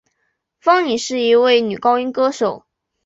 方颖是一位女高音歌手。